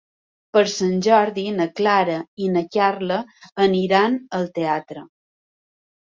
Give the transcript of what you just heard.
Per Sant Jordi na Clara i na Carla aniran al teatre.